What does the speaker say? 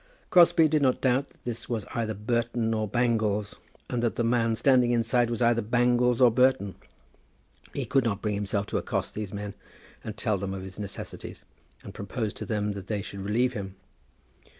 Crosbie did not doubt that this was either Burton or Bangles, and that the man standing inside was either Bangles or Burton. He could not bring himself to accost these men and tell them of his necessities, and propose to them that they should relieve him.